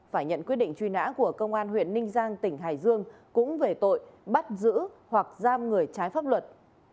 phải nhận quyết định truy nã của công an huyện ninh giang tỉnh hải dương cũng về tội bắt giữ hoặc giam người trái pháp luật